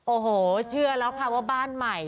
โอ้โหเชื่อแล้วค่ะว่าบ้านใหม่